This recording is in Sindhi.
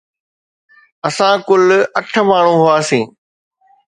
اسان ڪل اٺ ماڻهو هئاسين.